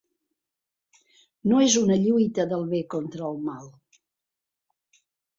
No és una lluita del bé contra el mal.